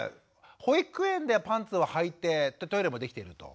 保育園ではパンツをはいてトイレもできていると。